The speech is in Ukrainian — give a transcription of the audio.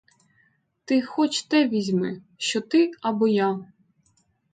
Ти хоч те візьми: що ти або я?